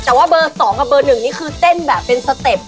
แต่ว่าเบอร์๒กับเบอร์๑นี่คือเต้นแบบเป็นสเต็ป